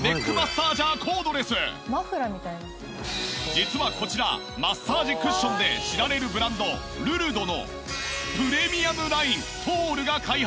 実はこちらマッサージクッションで知られるブランドルルドのプレミアムライントールが開発！